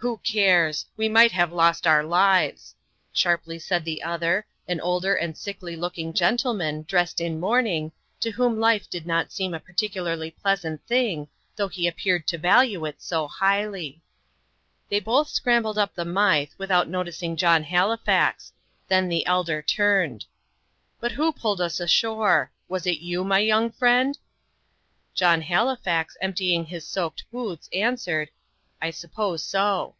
"Who cares? We might have lost our lives," sharply said the other, an older and sickly looking gentleman, dressed in mourning, to whom life did not seem a particularly pleasant thing, though he appeared to value it so highly. They both scrambled up the Mythe, without noticing John Halifax: then the elder turned. "But who pulled us ashore? Was it you, my young friend?" John Halifax, emptying his soaked boots, answered, "I suppose so."